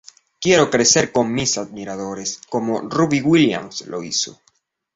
Quiero crecer con mis admiradores como Robbie Williams lo hizo.